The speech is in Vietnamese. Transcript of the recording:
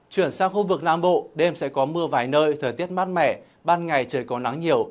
chuyển sang khu vực nam bộ đêm sẽ có mưa vài nơi thời tiết mát mẻ ban ngày trời có nắng nhiều